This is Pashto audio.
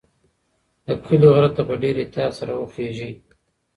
د کلي غره ته په ډېر احتیاط سره وخیژئ.